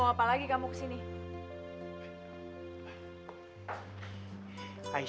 waalaikumsalam pak cik guru pak cik